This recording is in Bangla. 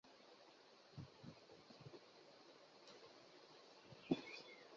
তিনি বাংলা লোক সাহিত্যের বিশদ ব্যাখ্যা এবং দর্শন খণ্ড আকারেও লিখে গেছেন।